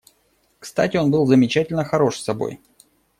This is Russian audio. Кстати, он был замечательно хорош собой.